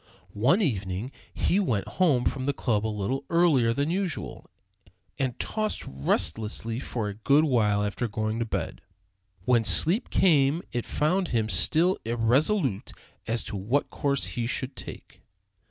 One evening he went home from the club a little earlier than usual, and tossed restlessly for a good while after going to bed. When sleep came it found him still irresolute as to what course he should take.